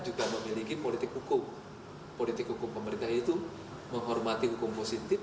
jadi politik hukum pemerintah itu menghormati hukum positif